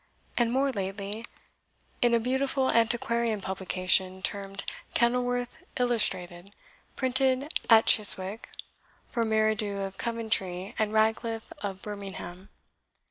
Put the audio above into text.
and more lately in a beautiful antiquarian publication, termed KENILWORTH ILLUSTRATED, printed at Chiswick, for Meridew of Coventry and Radcliffe of Birmingham.